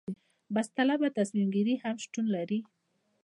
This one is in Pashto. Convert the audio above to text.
بحث طلبه تصمیم ګیري هم شتون لري.